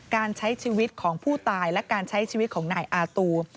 การใช้ชีวิตของผู้ตายและการใช้ชีวิตของนายอาตู